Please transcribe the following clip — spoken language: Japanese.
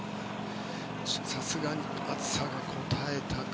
さすがに暑さがこたえたか。